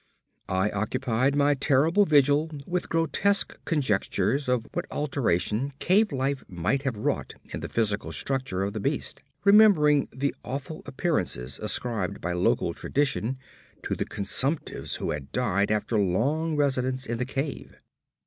I occupied my terrible vigil with grotesque conjectures of what alteration cave life might have wrought in the physical structure of the beast, remembering the awful appearances ascribed by local tradition to the consumptives who had died after long residence in the cave.